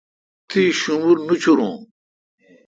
تی ݭومر نوچورون۔